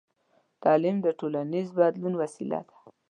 تعلیم د ټولنیز بدلون وسیله ده.